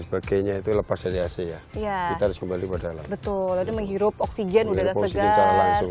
sebagainya itu lepas dari ac ya iya kita kembali padahal betul menghirup oksigen udara segar langsung